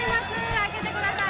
開けてください。